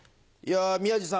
宮治さん